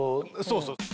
そうそう。